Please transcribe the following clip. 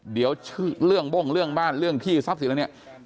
เดี๋ยวเรื่องบ้งเรื่องบ้านเรื่องที่ทรัพย์สินอะไรเนี่ย